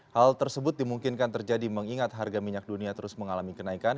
hal tersebut dimungkinkan terjadi mengingat harga minyak dunia terus mengalami kenaikan